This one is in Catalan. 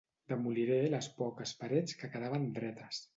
Demoliré les poques parets que quedaven dretes.